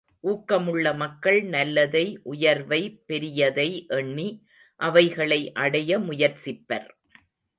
ஊக்கமுள்ள மக்கள் நல்லதை, உயர்வை, பெரியதை எண்ணி, அவைகளை அடைய முயற்சிப்பர்.